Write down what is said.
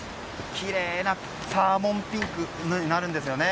きれいなサーモンピンクなんですよね。